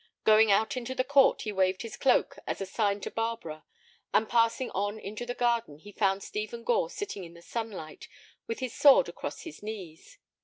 Going out into the court he waved his cloak as a sign to Barbara, and passing on into the garden he found Stephen Gore sitting in the sunlight with his sword across his knees.